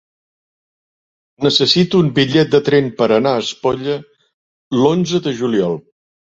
Necessito un bitllet de tren per anar a Espolla l'onze de juliol.